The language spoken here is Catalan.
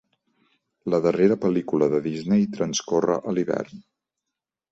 La darrera pel·lícula de Disney transcorre a l'hivern.